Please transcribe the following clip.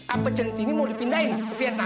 apa centini mau dipindahin ke vietnam